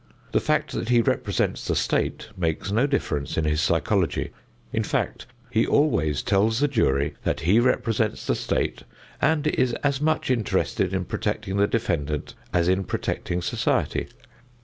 The fact that he represents the State makes no difference in his psychology. In fact, he always tells the jury that he represents the State and is as much interested in protecting the defendant as in protecting society.